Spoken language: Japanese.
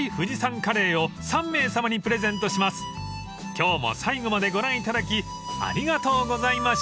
［今日も最後までご覧いただきありがとうございました］